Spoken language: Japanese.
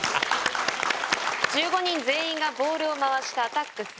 「１５人全員がボールを回してアタックする！